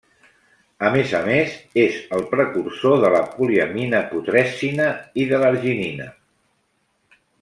A més a més, és el precursor de la poliamina putrescina i de l’arginina.